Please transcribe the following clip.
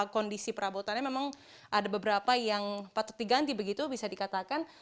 kondisi perabotannya memang ada beberapa yang patut diganti begitu bisa dikatakan